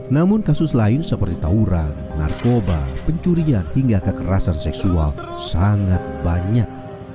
namun kasus lain seperti tauran narkoba pencurian hingga kekerasan seksual sangat banyak